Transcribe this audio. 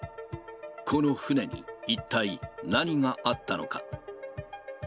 この船に、一体何があったのか。